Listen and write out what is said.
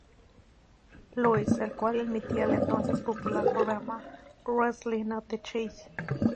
Louis, el cual emitía el entonces popular programa "Wrestling at the Chase".